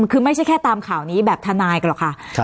คือไม่ใช่แค่ตามข่าวนี้แบบทนายก็หรอกค่ะ